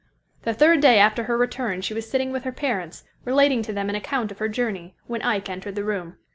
The third day after her return she was sitting with her parents, relating to them an account of her journey, when Ike entered the room.